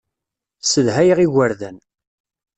Ssedhayeɣ igerdan.